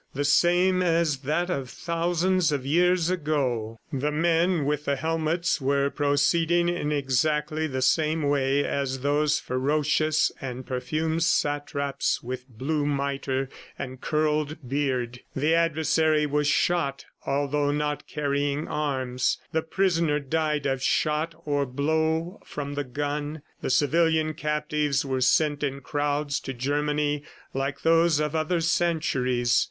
The same as that of thousands of years ago! The men with the helmets were proceeding in exactly the same way as those ferocious and perfumed satraps with blue mitre and curled beard. The adversary was shot although not carrying arms; the prisoner died of shot or blow from the gun; the civilian captives were sent in crowds to Germany like those of other centuries.